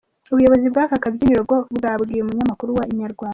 Ubuyobozi bw’aka kabyiniro bwo bwabwiye umunyamakuru wa Inyarwanda.